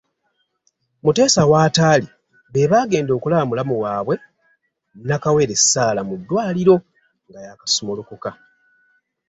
Muteesa w’ataali bebaagenda okulaba mulamu waabwe Nnakawere Sarah mu Ddwaliro, nga yakasumulukuka.